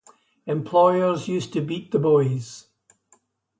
Employers used to beat the boys.